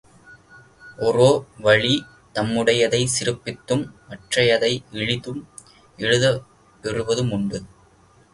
ஒரோ வழி தம்முடையதைச் சிறப்பித்தும், மற்றையதை இழித்தும் எழுதப்பெறுவதும் உண்டு.